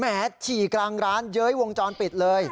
ฉี่กลางร้านเย้ยวงจรปิดเลย